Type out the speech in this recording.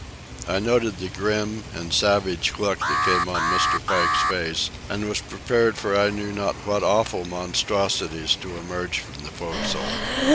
I noted the grim and savage look that came on Mr. Pike's face, and was prepared for I knew not what awful monstrosities to emerge from the forecastle.